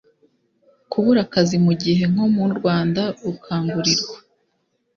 kubura akazi mu gihe nko mu rwanda rukangurirwa